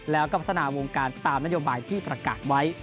แล้วก็พัฒนาวงการตามนโยบายที่ประกาศไว้